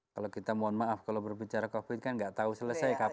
kalau kita mohon maaf kalau berbicara covid sembilan belas kan tidak tahu selesai kapan